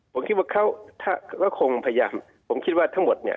ผมคิดว่าเขาก็คงพยายามผมคิดว่าทั้งหมดเนี่ย